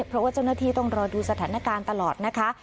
เพราะว่าเจ้าหน้าที่ต้องรอดูสถานการณ์ตลอดนะคะ